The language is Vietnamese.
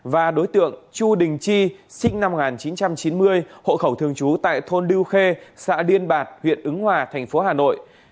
và đối tượng chu đình chi sinh năm một nghìn chín trăm chín mươi hộ khẩu thường trú tại thôn đu khê xã điên bạc huyện ứng hòa thành phố hà nội